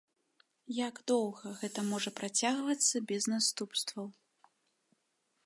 Як доўга гэта можа працягвацца без наступстваў?